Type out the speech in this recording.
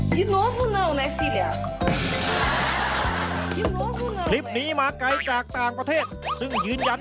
ของสตีเพศทุกวัย